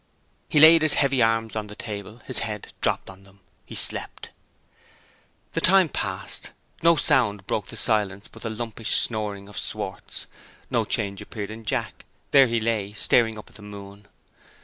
He laid his heavy arms on the table; his head dropped on them he slept. The time passed. No sound broke the silence but the lumpish snoring of Schwartz. No change appeared in Jack; there he lay, staring up at the moon.